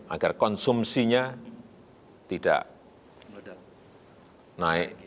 agar konsumsinya tidak naik